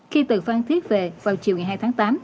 khi từ phan thiết về vào chiều ngày hai tháng tám